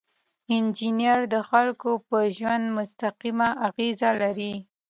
انجینر د خلکو په ژوند مستقیمه اغیزه لري.